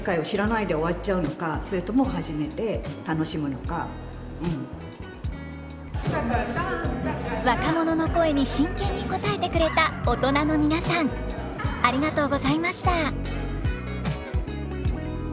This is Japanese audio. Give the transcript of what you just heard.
とにかくそう若者の声に真剣に答えてくれた大人の皆さんありがとうございました